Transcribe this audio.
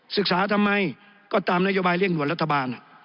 ทำไมก็ตามนโยบายเร่งด่วนรัฐบาล